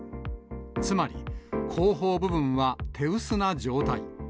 つまり、後方部分は手薄な状態。